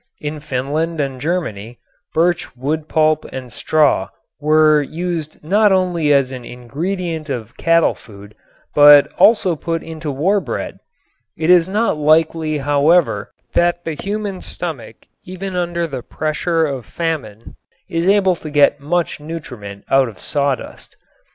In Finland and Germany birch wood pulp and straw were used not only as an ingredient of cattle food but also put into war bread. It is not likely, however, that the human stomach even under the pressure of famine is able to get much nutriment out of sawdust.